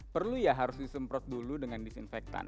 perlu ya harus disemprot dulu dengan disinfektan